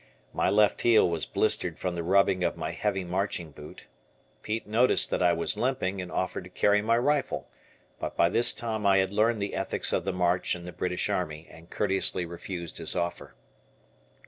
My left heel was blistered from the rubbing of my heavy marching boot. Pete noticed that I was limping and offered to carry my rifle, but by this time I had learned the ethics of the march in the British Army and courteously refused his offer.